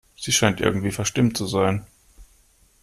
Sie scheint irgendwie verstimmt zu sein.